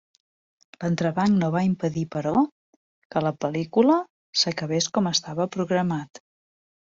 L'entrebanc no va impedir però que la pel·lícula s’acabés com estava programat.